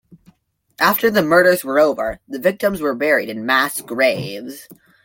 After the murders were over the victims were buried in mass graves.